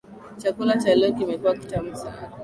Chakula cha leo kimekuwa kitamu sana.